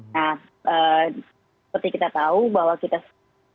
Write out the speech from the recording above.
nah seperti kita tahu bahwa kita